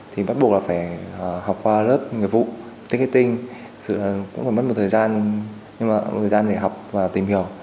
thì bắt buộc là phải học qua lớp nghiệp vụ ticketing cũng phải mất một thời gian nhưng mà một thời gian để học và tìm hiểu